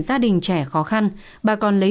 gia đình trẻ khó khăn bà còn lấy